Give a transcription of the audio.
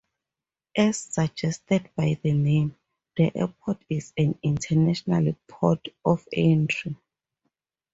As suggested by the name, the airport is an international port of entry.